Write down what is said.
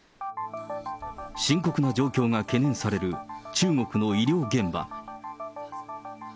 深刻な状況が懸念される中国の医療現場。